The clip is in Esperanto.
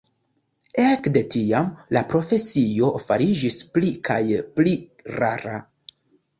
Ekde tiam la profesio fariĝis pli kaj pli rara.